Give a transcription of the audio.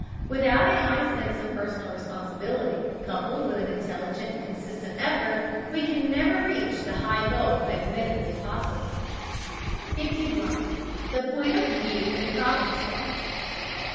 Without a high sense of personal responsibility, coupled with an intelligent and consistent effort, we can never reach the high goal admittedly possible. 51. THE POINT OF VIEW IN PROBLEM STUDY.